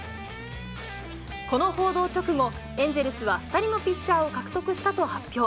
この報道直後、エンゼルスは２人のピッチャーを獲得したと発表。